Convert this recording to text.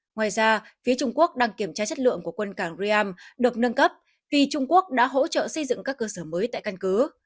ngoài ra phía trung quốc đang kiểm tra chất lượng của quân cảng riam được nâng cấp vì trung quốc đã hỗ trợ xây dựng các cơ sở mới tại căn cứ